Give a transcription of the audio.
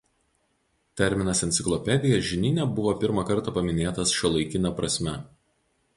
Terminas „enciklopedija“ žinyne buvo pirmą kartą paminėtas šiuolaikine prasme.